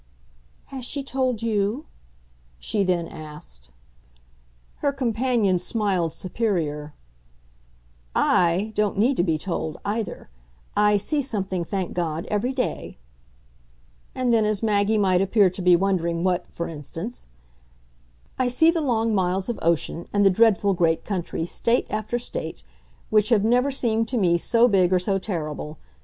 "Has she told you?" she then asked. Her companion smiled superior. "I don't need to be told either! I see something, thank God, every day." And then as Maggie might appear to be wondering what, for instance: "I see the long miles of ocean and the dreadful great country, State after State which have never seemed to me so big or so terrible.